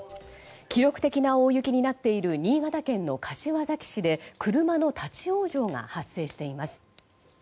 記録的な大雪になっている新潟県の柏崎市で車の立ち往生が発生しています。